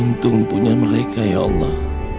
untung punya mereka ya allah